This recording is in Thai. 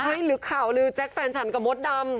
เห้ยลึกข่าวเลยแจ๊กแฟนฉันกับมดดำ